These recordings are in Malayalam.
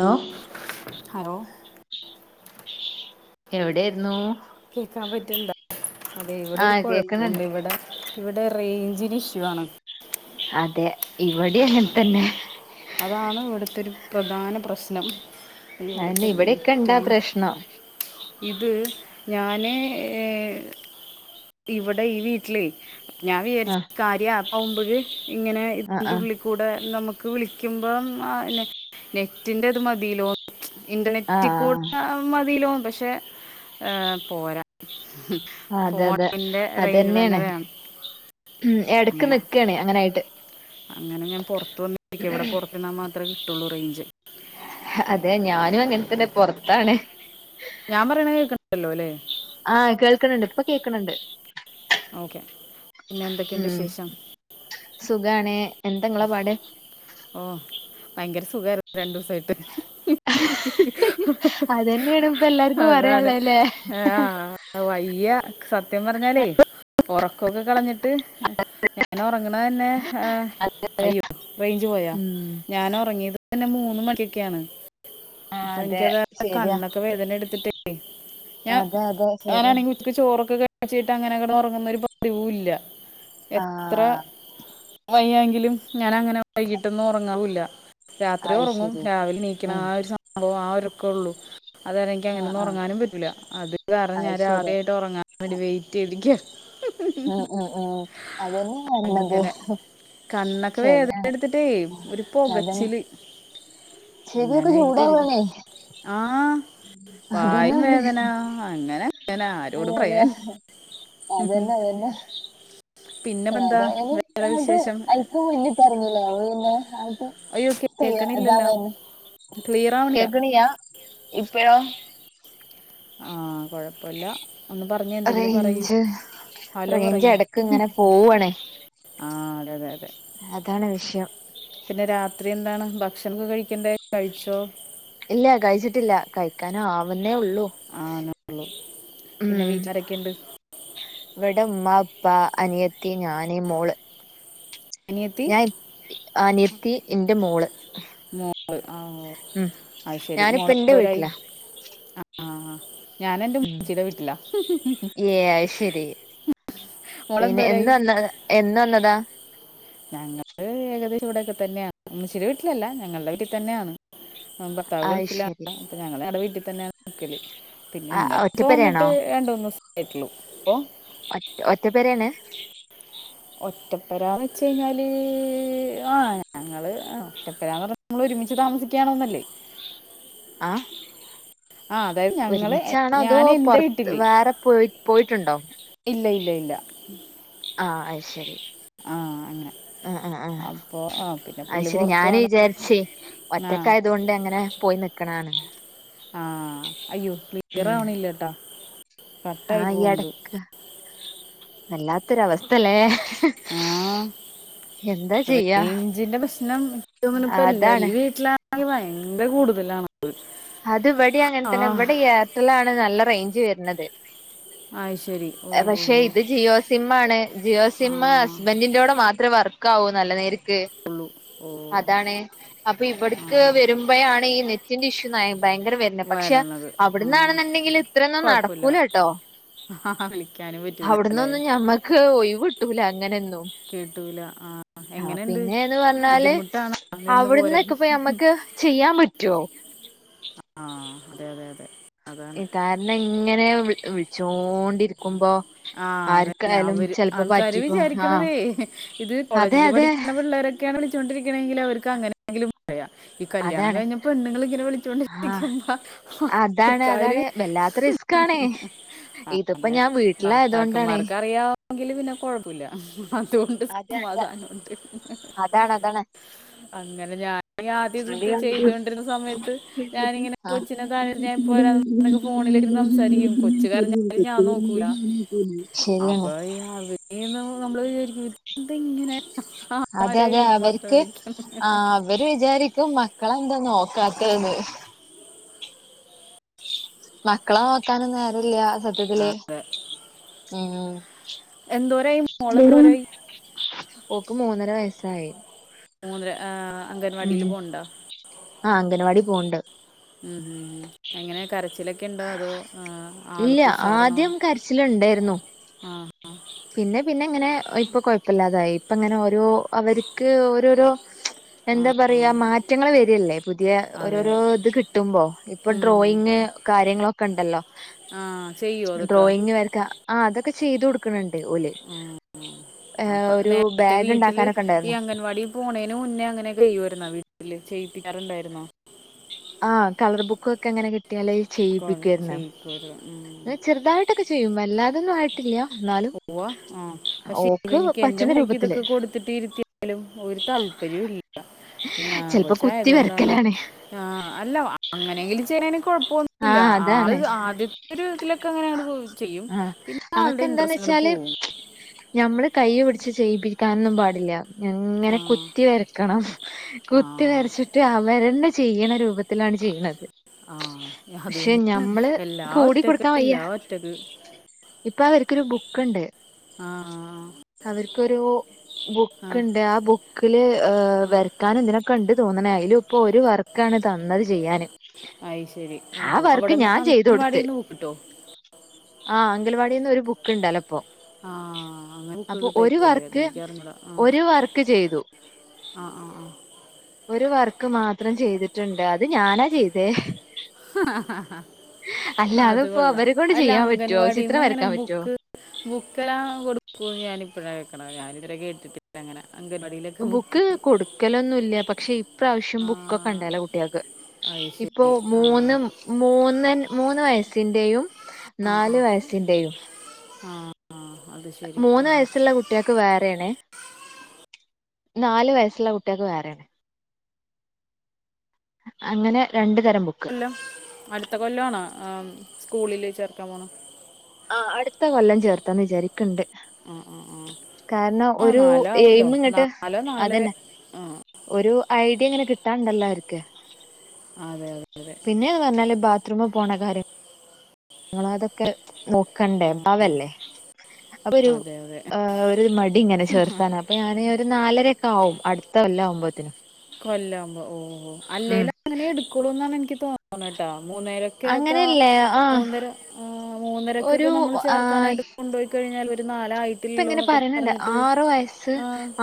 ഹലോ ഹലോ എവിടെയിരുന്നു കേക്കാൻ പറ്റണ്ടാ അതെ ഇവിടെ ഒരു ആഹ് കേക്കുന്നുണ്ട് കുഴപ്പുണ്ട് ഇവിടെ ഇവിടെ റേഞ്ചിന് ഇഷ്യൂ ആണ്. അതെ ഇവിടെ അങ്ങനെ തന്നെ. അതാണ് ഇവിടുത്തെ ഒരു പ്രധാന പ്രശ്നം. ആണ്ടേ ഇവിടുത്തെ ഇവിടെയൊക്കെ ഒണ്ട് ലേറ്റും ആഹ് പ്രശ്നം. ഇത് ഞാന് ഏഹ് ഇവിടെ ഈ വീട്ടിലെ. ഞാൻ വിചാരിച്ച് ആഹ് കാര്യ ആപ് ആവുംമ്പഴ് ഇങ്ങനെ ആഹ് ഇതിന്റെ ഉള്ളി കൂടെ നമുക്ക് വിളിക്കുമ്പോ നെ നെറ്റിന്റെത് മതിലോ. ആഹ് ഇന്റർനെറ്റിൽ കൂടെ ആഹ് മതിയിലോ, പക്ഷെ പോരാ. ആഹ് അതെ അതെ ഫോണിന്റെ റേഞ്ച് തന്നെ അതന്നെയാണ് വേണം ഉം ഇടക്ക് അങ്ങനെ നിക്കണേ അങ്ങനൊയിട്ട്. അങ്ങനെ ഞാൻ പുറത്ത് വന്നിരിക്കുക, ഇവിടെ പുറത്ത് നിന്നാൽ മത്രമേ കിട്ടുള്ളൂ റേഞ്ച്. അതെ ഞാനും അങ്ങനെ തന്നെ പുറത്താണ് ഞാൻ പറയണ കേക്കണ്ടല്ലോ അല്ലേ ആഹ് കേൾക്കണണ്ട് ഇപ്പൊ കേൾക്കണണ്ട് ഓക്കേ ഉം സുഖാണ് എന്താ നിങ്ങടെ പണി. ഓ ഭയങ്കര സുഖായിരുന്നു രണ്ടു ദിവസായിട്ട്. അതന്നെയാണ് ഇപ്പ എല്ലാർക്കും അതാണ് പറയാനുള്ളല്ലേ ആഹ വയ്യാ സത്യം പറഞ്ഞാലേ. ഉറക്കമൊക്കെ കളഞ്ഞിട്ട് ഞാൻ ഉറങ്ങണേ തന്നെ. അയ്യോ റേഞ്ച് പോയോ, ഉം ഞാൻ ഉറങ്ങിയത് തന്നെ മൂന്ന് മണിയൊക്കെയാണ്. ആഹ് അപ്പൊ അതെ എനിക്ക് അത് ശരിയാ കണ്ണൊക്കെ വേദന എടുത്തിട്ടെ. അതെ അതെ ശ അങ്ങനാണെങ്കിൽ ഉച്ചക്ക് ചോറൊക്കെ കഴിച്ചിട്ട് അങ്ങനെ കെടന്ന് ഉറങ്ങുന്ന ഒരു പതിവും ഇല്ല എത്ര ആഹ് വയ്യാങ്കിലും ഞാൻ അങ്ങനെ വൈകിട്ടൊന്നും ഉറങ്ങാവൂല്ല രാത്രി അയ്ശരി ഉറങ്ങുംരാവിലെഎണീ ക്കണം, ഉം ആഒരുസംഭവംആ ഒറക്കോഒള്ളൂ. അത്കരണംഎനിക്ക് ആഹ് അങ്ങനൊന്നും ഉറങ്ങാനും പറ്റുല്ല, ആഹ് അത് അത്കാരണംഞാൻ. ശരിയാ രാത്രി ആായിട്ട് ഉറങ്ങാന ഒല് വെയിറ്റ് ചെയ്തിരിക്കാ. അ, അ, ആ, അതന്നെ, നല്ലത്. ആ വേദനഎടുത്തിട്ടേഒരു പോകച്ചില്. ചെവിയൊക്കെ അങ്ങനെയായിട്ട്, ഇരിക്കുന്നു ചൂടാവാണേ ആ. അതന്നെ വായും പറഞ്ഞെ വേദന, അങ്ങനെ അങ്ങനെ ആരോട് അതെ അതെ പറയാൻ. അതന്നെ, അതന്നെ. പിന്നെ ഇപ്പൊ എന്താ ഏതാലും, വേറെ അട്ട്, വിശേഷം അഴിക്, മുന്നിട്ട് ഇറങ്ങിയില്ലേ, അത് പിന്നെ ആട്ട്. അയ്യോ [unintelligible] കേൾക്കണില്ലല്ലോ അതാവന്നെ ക്ലിയർ ആവണില്ല കെക്കണില്ല ഇപ്പഴോ. ആ, കുഴപ്പല്ലാ. ഒന്ന് പറഞ്ഞെ എന്തെങ്കിലും പറയ്, റേഞ്ച് ഹലോ റേഞ്ച് പറയ്. എടക്ക് ഇങ്ങനെ പോവാണേ ആ അതെ അതെ അതെ. അതാണ് വിഷയം. പിന്നെ, രാത്രിഎന്താണ് ഭക്ഷണൊക്കെകഴിക്കണ്ടെ കഴിച്ചോ. ഇല്ല, കഴിച്ചിട്ടില്ലകഴിക്കാന് ആവുന്നേഉള്ളൂ. ആണല്ലേ, പിന്നെ വീട്ടിലാരൊക്കെ, ഉണ്ട്. ഇവിടെ, ഉമ്മാ, ഉപ്പാ, അനിയത്തി ഞാന്, മോള്. അനിയത്തി ഞാൻ, അനിയത്തി, ഇന്റെ മോള്. മോൾ, ആ, ഉം അയ്ശരി ഞാനിപ്പ എന്റെ മോളെന്തൊരായി, വീട്ടിലാ ആ. ഞാനെന്റെ, ഉം ഉമ്മച്ചീടെ, വിട്ടിലാ, മം, മം, മം. ഏ അത് ശരി പിന്നെ, എന്ന്‌ വന്ന് എന്ന് വന്നതാ. ഞങ്ങള് ഏകദേശം ഇവിടെയൊക്കെ തന്നെയാണ് ഉമ്മച്ചീടാ വീട്ടിലല്ലാ ഞങ്ങളുടെ വീട്ടിൽ തന്നെയാണ്. ഭർത്താവ് അത് ശരി ഗൾഫിലാണ് അപ്പൊ ഞങ്ങള് ഞങ്ങടെ വീട്ടിൽ തന്നെയാണ് നിക്കല്. പിന്നെ, ആ ഇങ്ങനെ ഇപ്പ വന്നിട്ട് ഒറ്റപ്പെരയാണോ രണ്ടൂന്ന് ദിവസേ ആയിട്ടുള്ളു അപ്പൊ. ഒറ്റ ഒറ്റപേരണ്. ഒറ്റപ്പെരാന്ന് വെച്ച് കഴിഞ്ഞാല് ആ ഞങ്ങള് ഒറ്റപ്പെരാണ് പറഞ്ഞ. നീങൾ ഒരുമിച്ച് താമസിക്ക്യാണ്ന്നല്ലേ. ആഹ് ആ, അതായത്ഞങ്ങള് അതോ ഞാന് പൊറത്ത് എന്റെവീട്ടില്. വേറെ പോയി പോയിട്ടുണ്ടോ ഇല്ല, ഇല്ല, ഇല്ല. ആ, അയ്ശെരി. ആ അങ്ങനെ ആ, ആ, ആ, അപ്പോ ആ പിന്നെ അത് പുള്ളി ശെരി ഞാന് പുറത്തുമാണ് വിചാരിച്ചേ. ആ ഒറ്റക്കായത് കൊണ്ട്, അങ്ങനെ പോയി നിക്കണതാണ്. ആ അയ്യോ, ക്ലിയർ ഉം ആവണില്ലട്ടാ കട്ടായി പോണ്ട്. വല്ലാത്തൊരു, അവസ്ഥല്ലേ. ആഹ് ചെയ്യാ റെയിഞ്ചിന്റെ പ്രശ്നം ഏറ്റവും തണുപ്പല്ല ഈ അതാണ് വീട്ടിലാ അത് ഭയങ്കര കൂടുതലാണ്. അത്, ആ ഇവിടങ്ങനെത്തന്നെ ഇവിടെ, ഏർട്ടലാണ് നല്ല റേഞ്ച് വരുന്നത്. ആയ്, ശരി. ഓ ഓ പക്ഷേ ഓ. ഇത് ജിയോ സിമ്മാണ് ആണ്. ജിയോ ആ സിമ്മ് ഹസ്ബന്റിന്റോടെ മാത്രേ വർക്കാവു നല്ല നേര്ക്ക്. ഉള്ളൂ, ഓ. അതാണെ, അപ്പൊ, ആ ഇവിടക്ക് ഹാ വരുമ്പോഴാണ്, ഈ, നെറ്റിന്റെ ഇഷ്യൂ, ഭയങ്കര, വരുന്നെ. പക്ഷെ വരണത് ആ അവിട്ന്നാണെന്നുണ്ടെങ്കില് ഇത്രയൊന്നും നടക്കൂലട്ടോ. ഹ ഹ വിളി ഹവ്ട്ന്നൊന്നും ഞമ്മക്ക് ഒയിവ് കിട്ടൂല അങ്ങനൊന്നും. കേട്ടൂല ആ ആഹ് എങ്ങനെയുണ്ട് പിന്നെന്ന് പറഞ്ഞാല് ബുദ്ധിമുട്ടാണ് നിന്ന് പോരാൻ അവിടുന്നൊക്കെ ഇപ്പൊ നമ്മക്ക്. ചെയ്യാൻ പറ്റുവോ. ആ അതെ അതെ അതെ അതാണ് കാരണം ഇങ്ങനെ വിളിച്ചോണ്ടിരിക്കുമ്പോ ആഹ് അതന്നെ ആർക്കായാലും അവര് ചെലപ്പോ ആൾക്കാര് പറ്റിക്കും ആ വിചാരിക്കണതേ ഇത് അതെ കോളേജിൽ അതെ പഠിക്കുന്ന പിള്ളേരൊക്കെ ക്കെയാണ് വിളിച്ചൊണ്ടരിക്കണെങ്കിലോ അവർക്ക് അങ്ങനെ എങ്കിലും പറയാം ഈ കല്യാണം അതാണ് കഴിഞ്ഞ പെണ്ണുങ്ങൾ ഇങ്ങനെ ആ വിളിച്ചൊണ്ടിരിക്കുമ്പോ അതാണ് ആൾക്കാാര് അതാണ് വല്ലാത്ത റിസ്ക്കാണ് ഇതിപ്പ ഞാൻ വീട്ട് താക്കന്മാർക്ക് അറിയാമെങ്കില് പിന്നെ കൊഴപ്പമില്ല അതുകൊണ്ട് അതെ അതെ സമാധാനോണ്ട്. അതാണ് അതാണ് അങ്ങനെ ഞാൻ ആദ്യം ഇത് ത്തെ ചെയ്തോണ്ടിരുന്ന സമയത്ത് ഞാനിങ്ങനെ കൊച്ചിനെ താഴെരുത്ത് ഞാഇപ്പോ വരാന്ന് പറഞ്ഞൊക്കെ ഫോണിലിരുന്ന് സംസാരിക്കും കൊച്ച് കരഞ്ഞാലും ഞാൻ നോക്കൂല. ശരിയാണ് അപ്പൊ ഈ അവനീ ന്ന് നമ്മള് വിചാരിക്കും ഇതെന്ത ഇങ്ങനെ അതെ അതെ അവർക്ക് ആഹ് അവര് വിചാരിക്കും മക്കളെന്താ നോക്കാത്ത് ന്ന് മക്കളെ നോക്കാനും നേരല്ല സത്യത്തില് ഉം എന്തോരായി മോളെന്തോരായി? ഓക്ക്‌ മൂന്നര വയസ്സായി മൂന്നര ആഹ് ഉം ആഹ് അംഗനവാടി പോണിണ്ട് ഉം ഉം ഉം എങ്ങനെ കരച്ചിലൊക്കെ ഉണ്ടോ അതോ ആ ഇല്ല ആൾക്ക് ഉഷാറാണോ ആദ്യം കരച്ചിലിണ്ടാര്ന്നു ആ പിന്നെ പിന്നെ ഇങ്ങനെ ഇപ്പൊ കൊഴപ്പില്ലാതായി ഇപ്പ ഇങ്ങനെ ഓരോ അവർക്ക് ഓരോരോ ആ എന്താ ആ, പറയാ മാറ്റങ്ങള് വരിയല്ലേ പുതിയ അതെ അതെ ഓരോരോ ഇത് കിട്ടുമ്പോ ഇപ്പൊ ഉം ഡ്രോയിങ് കാര്യങ്ങളൊക്കെ ഉണ്ടല്ലോ ആഹ് ചെയ്യും ഡ്രോയിങ് വരക്ക ആഹ് അതൊക്കെ ചെയ്തു കൊടു ക്ക്‌ണിണ്ട് ഓല് അപ്പൊ ഒരു നേരത്തെ ബാഗ് വീട്ടില് ഉണ്ടാക്കാനൊക്കെ ഈ ഉണ്ടാരുന്ന് അംഗൻവാടി പോണേന് മുന്നേ അങ്ങനൊക്ക ചെയ്യുവാരുന്നോ വീട്ടിൽ ചെയ്യിപ്പിക്കാറുണ്ടായിരുന്നോ? ആഹ് കളർ ബുക്കൊക്കെ അങ്ങനെ കിട്ടിയാല് കൊ- ചെയ്യിപ്പിക്കുവാരുന്നു. ചെയ്യിക്കുമായിരുന്നു ഉം. ചെറുതായി ട്ടൊക്ക ചെയ്യും വല്ലാതൊന്നും ആയിട്ടില്ല. എന്നാലും പോവാ ആഹ് പക്ഷേ ഓക്ക് ഇവനിക്ക് എന്റെ പറ്റണ മോൻക്ക് രൂപത്തില് ഇതൊക്കെ കൊടു ത്തിട്ടിരുത്തിയാലും ഒരു താല്പര്യവും ഇല്ല. ചെലപ്പോ കുത്തി വെരക്കലാണ്. ആഹ് അല്ല അങ്ങനെങ്കിലും ചെയ്യണേന് ആ കൊഴപ്പൊന്നൂല്ല അതാണ് ആളൊരു ആദ്യ ഒരു വിധത്തിലൊക്കെ അങ്ങനെയങ്ങടെ പോയി ചെയ്യും ആഹ് പിന്നെ അവക്ക് ആളുടെ എന്തുണ്ടേ ഇൻട്രസ്റ്റ് അങ്ങോട്ട് ച്ചാല് പോവും ഞമ്മള് കൈ പിടിച്ച് ചെയ്യിപ്പിക്കാനൊന്നും പാടില്ല. ആ ഞങ്ങനെ കുത്തി വരക്കണം ആ കുത്തി വരച്ച്ട്ട് അവരന്ന ചെയ്യണ രൂപത്തി ത്തിലാണ് ചെയ്യ്ണത് ആ അത് പക്ഷെ തന്നെയാണ് ഞമ്മള് കൂടി കൊടുക്കാ വയ്യ. റ്റത്. ഇപ്പ അവര്ക്കൊരു ബുക്ക്ണ്ട്. ആഹ് ആഹ്. അവര്ക്കൊരു ബുക്ക്ണ്ട് ആ ബുക്ക്ല് ഏഹ് വര ക്കാനും ഇതിനൊക്കെണ്ട് തോന്ന്ണ് അയിലും പ്പൊ ഒരു വർക്കാണ് തന്നത് ചെയ്യാന്. അയ്ശരി ആ ഓഹോ വർക്ക് അവിടെന്ന് ഞാൻ ചെയ്ത് അംഗൻവാടിന്ന് ബുക്ക്‌ട്ടോ? ആഹ് അങ്കൽവാടിന്നൊരു ബുക്ക്ണ്ടല്ലോ പ്പൊ. ആഹ് അങ്ങനെ ക്കൊക്ക് തരുവല്ലേ വർക്ക് അതെനിക്കറിഞ്ഞൂടാ ആഹ്. ഒരു വർക്ക് ചെയ്തു ആഹ് ആഹ് ആഹ്. ഒരു വർക്ക് മാത്രം ചെയ്തിട്ട്ണ്ട് അത് ഞാനാ ചെയ്തേ. അല്ല അത് അതിപ്പോ കൊള്ള അവരെ കൊണ്ട് അല്ല ചെയ്യാൻ പറ്റുവോ ചിത്രം അംഗൻവാടിന്ന്ങ്ങനെ വരക്കാൻ പറ്റുവോ ബുക്ക്. ബുക്കെല്ലാം കൊടുക്കുന്ന് ഞാനിപ്പഴ കേക്കണ ഞാനിത് വരെ കേട്ടിട്ടില്ലങ്ങനെ. അംഗൻവാടിലെ- ബുക്ക് കൊടുക്കലൊന്നുല്ല പക്ഷേ പ്രാവശ്യം ആ ബുക്കൊക്കെ ഉണ്ടെലോ കുട്ടിയൾക്ക് അത് ഇപ്പോ ശരി ആ മൂന്ന്. മൂന്ന് മൂന്ന് വയസ്സിന്റെയും ആ ആ നാല് വയസ്സിന്റെയും. ആ ആ അത് ശരി മൂന്ന് ഓഹോ വയസ്സ്ള്ള കു കുട്ടിയക്ക് വേറെ ആണ് നാല് വയസ്സുള്ള കുട്ടിയക്ക് വേറേണ്. അങ്ങനെ രണ്ടു തരം ബുക്കും. കൊല്ലം അടുത്ത കൊല്ലം ആണാ സ്കൂളില് ചേർക്കാൻ പോണെ? ആ അടുത്ത കൊല്ലം ചേർത്താന്ന് വിചാരി ആഹ്‌ ആഹ്‌ ആഹ്‌ കാരണം ഒരു എയിം ഇങ്ങട്ട് നാലര അതന്നെ. ആ ഒരു ഐഡിയ ഇങ്ങനെ കിട്ടാണ്ടല്ലോ ഓർക്ക്. അതെ അതെ അതെ. പിന്നെ എന്ന് പറഞ്ഞാല് ബാത്റൂം പോണ കാര്യം. ങ്ങള അതൊക്കെ നോക്കണ്ടേ പാവല്ലേ. അപ്പൊ ഒരു അതെ അതെ ഒരു മടി ഇങ്ങനെ ചേർത്താന അപ്പൊ ഞാൻ ഒരു നാലരയൊക്കെ ആവും അടുത്തകൊല്ല ആവുമ്പോത്ത്ന്. കൊല്ലാവുമ്പോ ഓ അല്ലേല് അങ്ങനെ എടുക്കൊളൂ എന്ന എനിക്ക് തോന്നണട്ടാ മൂന്നേരൊ ക്കക്കെ അങ്ങനെയല്ലേ ആഹ് മൂന്നര മൂന്നരക്കൊക്കെ ഒരു നമ്മൾ ആഹ് ചേർക്കാനായിട്ട് കൊണ്ടു കഴിഞ്ഞാൽ ഒരു നാല ആയി ഇപ്പ ഇങ്ങനെ പറയണ്ട് ആറു വയസ്സ്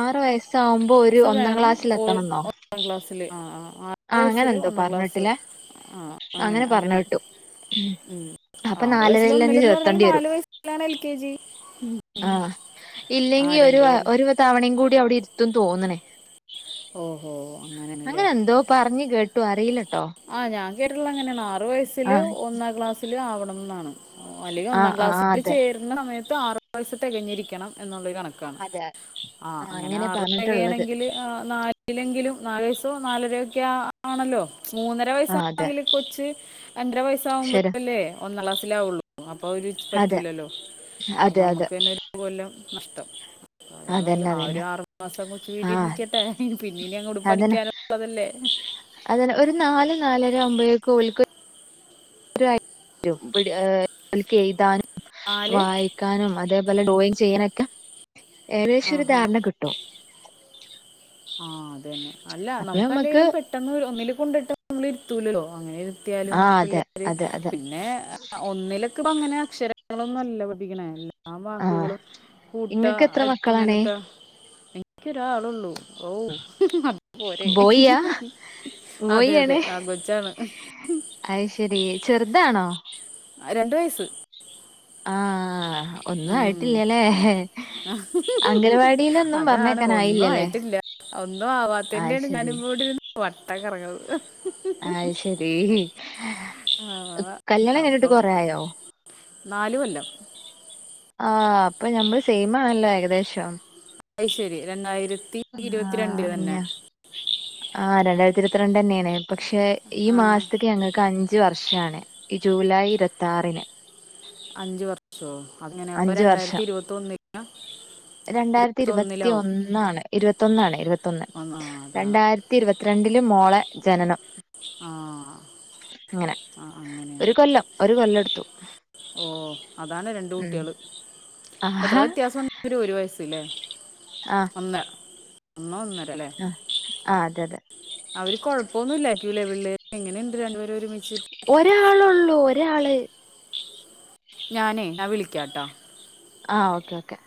ആറു വയസ്സാവുമ്പോ ഒരു ഒന്നാം ക്ലാസ്സില് എത്തണന്നോ. ഒന്നാ ക്ലാസ്സില് ആ ആറ് വയസ്സില് എന്തോ ഒന്നാം ക്ലാസ്സ്. പറഞ്ഞിട്ടില്ലേ ആ അങ്ങനെ അങ്ങനെ പറഞ്ഞ് കേട്ടു ഉ അപ്പൊ ആറു വയസ്സില് നാലരയിലന്നെ ഒന്നിലന്ന് പറഞ്ഞാലും ചേർത്തേണ്ടി നാല് വയ ലാണ് എൽ കെ ജി. ആ ആ ഇല്ലെങ്കി ഒരു രണ്ട് കൊല്ലം ഒരു തവണയും കൂടി അവിടെ ഇരുത്തു തോന്നണ് ഓഹോ അങ്ങനെയണല്ലേ. പറഞ്ഞ് കേട്ടു അറീല്ല ആ ഞാൻ കേട്ടിട്ടുള്ളത് അങ്ങനെയാണ് ആറു വയസ്സില് ആഹ് ഒന്നാം ക്ലാസ്സില് ആവണം ന്നാണ്. ഓ അല്ലെങ്കിൽ ഒന്നാം ആഹ് ആഹ് ക്ലാസ്സിൽ അതെ ചേരുന്ന സമയത്ത് ആറാം വയസ്സ് തികഞ്ഞിരിക്കണം എന്നുള്ളരു കണക്ക്. ക്കാണ് അതെ ആ ആഹ് അങ്ങനെ ആറ് പറഞ്ഞിട്ടുള്ളത് തെകയണെങ്കില്. നാലിലെങ്കിലും നാല് വയസ്സോ നാലരക്കെ ആണല്ലോ മൂന്ന ആഹ് അതെ വയസണെങ്കിൽ കൊച്ച് രണ്ടര ശരി വയസാവുമ്പോഴല്ലേ ഒന്നാ ക്ലാസ്സിലാവൊള്ളൂ. അപ്പൊ അവര് അതെ പറ്റൂലല്ലോ അ അതെ അതെ നമ്മുക്ക് തന്നെ ഒരു കൊല്ലം നഷ്ടം. അതാ നല്ല അതന്നെ ആ ഒരു അതന്നെ ആറു മാസം കൊച്ചച്ച് വീട്ടി ആഹ് നിക്കട്ടെ പിന്നീനി അങ്ങോട്ട് പഠിക്കാനുള്ളതല്ലേ. അതല്ല ഒരു നാല് നാലര അവുമ്പോയേക്കും ഓൽക്ക്. പറ്റും എഴുതാനും നാല് വായിക്കാനും അതേപോലെ ഡ്രോയിങ് ചെയ്യാനൊക്കെ. ഏകദേശൊരു ആഹാ ധാരണ കിട്ടും. ആഹ് അത് തന്നെ അല്ല അപ്പൊ നമ്മക്ക് നമുക്കല്ലെലും പെട്ടെന്ന് ഒന്നില് കൊണ്ടിട്ട് നമ്മൾ ഇരുത്തൂലല്ലോ അങ്ങനെ എത്തിയാലും ആഹ് അതെ പിള്ളേര് അതെ അതെ പിന്നെ ഒന്നിലെ ഇപ്പ അങ്ങനെ അക്ഷരങ്ങളൊന്നു അല്ല പഠിപ്പിക്കണേ ആ ആഹ് വാക്കുകളും ഇങ്ങക്ക് എത്ര കൂട്ടഅയ് മക്കളാണ് അങ്ങനത്തെ എനിക്കൊരാളള്ളൂ. ഔ അത് പോരെ ബോയിയാ അതെ അതെ ആൺ കൊച്ചാണ്. അയ് ശരി ചെർതാണോ. രണ്ട് വയസ്സ്. ആഹ്. ഒന്നും ഉം. ആയിട്ടില്ലല്ലേ അംഗലവാടിലൊന്നും അതാണ് ഒന്നും പറഞ്ഞേക്കാനായില്ലല്ലേ ആയിട്ടില്ല ഒന്നും അത് ആവാത്തന്റെണ് ശരി ഞാനിപ്പോവടിര്ന്ന് വട്ടം കറങ്ങണത്. അഹ് ശെരി ആ, കല്യാണം കഴിഞ്ഞിട്ട് അപ്പം കൊറയായോ. നാല് കൊല്ലം. ആഹ് അപ്പൊ ഞമ്മൾ സെയിമാണല്ലോ ഏകദേശം. അ ശരി രണ്ടായിരത്തി ഇരുപത്തിരണ്ട് ആഹ് തന്നെ ഞ ആ രണ്ടായിരത്തി ഇരുപത്തിരണ്ട് തന്നെയാണ് പക്ഷേ ഈ ആ മാസത്തക്ക് ഞങ്ങൾക്ക് അഞ്ച് വർഷമാണ് ഈ ജൂലൈ ഇരുപത്തി ആറിന് അഞ്ച വർഷോ അങ്ങനെ ഇപ്പ അഞ്ച് രണ്ടായിരത്തി വർഷം ഇരുപതൊന്നിൽ രണ്ടായിരത്തി ഇരുപത്തി ഒന്നാണ് ഇരുപത്തിയൊന്ന് ഇരുപത്തിയൊന്ന് ആ അതാണ് രണ്ടായിരത്തി ഇരുപത്തിരണ്ടില് മോളെ ജനനം ആഹ് അങ്ങനെ ആഹ് അങ്ങനെയാ ഒരു കൊല്ലം ഒരു കൊല്ലമെടുത്തു ഓ അതാണ് രണ്ട കുട്ടികൾ എത്ര ആഹാ വ്യത്യാസമുണ്ട് ഒരു വയസ്സല്ലേ ആഹ് ഇന്ന് ഇന്ന് ഇന്നലെല്ലേ ആഹ് ആഹ് അതെ അതെ അവർ കുഴപ്പമൊന്നും ഇല്ല യിരിക്കൂല്ലേ പിള്ളേർ എങ്ങനെയുണ്ട് രണ്ടുപേർ ഒരുമിച്ച് ഒരാൾ ഒള്ളൂ ഒരാൾ ഞാനേ ഞാൻ വിളിക്കാട്ടാ ആ ഓക്കേ ഓക്കേ